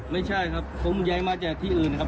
ไม่ใช่ครับผมย้ายมาจากที่อื่นนะครับ